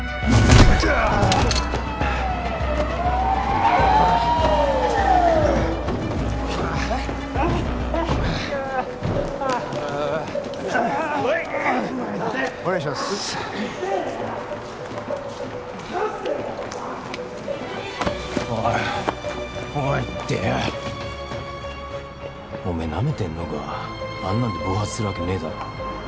おいおいってよおめえナメてんのかあんなんで暴発するわけねえだろ